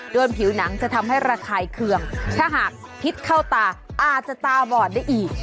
ผิวหนังจะทำให้ระคายเคืองถ้าหากพิษเข้าตาอาจจะตาบอดได้อีก